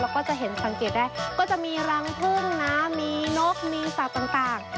แล้วก็จะเห็นสังเกตได้ก็จะมีรังพึ่งนะมีนกมีสัตว์ต่าง